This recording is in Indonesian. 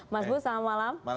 mas budi selamat malam